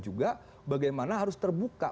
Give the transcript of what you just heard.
juga bagaimana harus terbuka